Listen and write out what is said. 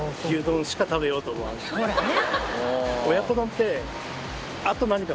ほらね。